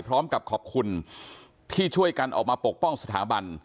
พร้อมกับขอบคุณที่ช่วยกันออกมาปกป้องสถาบัน